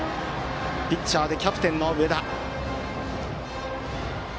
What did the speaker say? ピッチャーでキャプテンの上田。